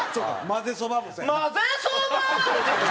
「まぜそば！」。